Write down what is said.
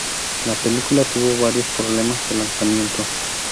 La película tuvo varios problemas de lanzamiento.